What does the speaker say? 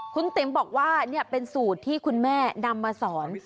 คุณติ๋มบอกว่านี่เป็นสูตรที่คุณแม่นำมาสอน